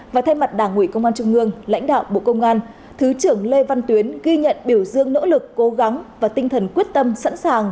và thay mặt đảng ủy công an trung ương lãnh đạo bộ công an thứ trưởng lê văn tuyến ghi nhận biểu dương nỗ lực cố gắng và tinh thần quyết tâm sẵn sàng